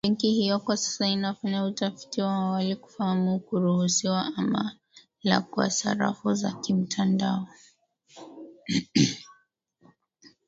Benki hiyo kwa sasa inafanya utafiti wa awali kufahamu kuruhusiwa ama la kwa sarafu za kimtandao